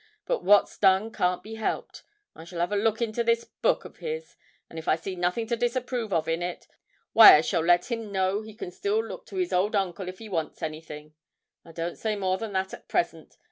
But what's done can't be helped. I shall give a look into this book of his, and if I see nothing to disapprove of in it, why I shall let him know he can still look to his old uncle if he wants anything. I don't say more than that at present.